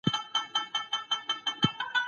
وزن پورته کول فشار رامنځ ته کوي.